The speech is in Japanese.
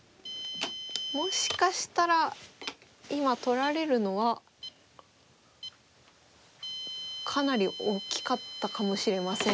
もしかしたら今取られるのはかなり大きかったかもしれません。